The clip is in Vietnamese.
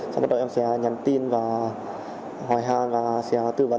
sau đó em sẽ nhắn tin và hỏi hàng và sẽ tư vấn